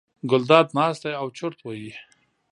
ګلداد ناست دی او چورت وهي.